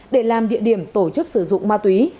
để làm địa điểm tổ chức sử dụng ma túy